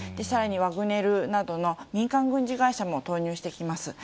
さらにはワグネルなどの民間軍事会社も投入してきます。